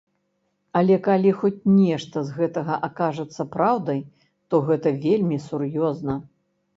Але калі хоць нешта з гэтага акажацца праўдай, то гэта вельмі сур'ёзна.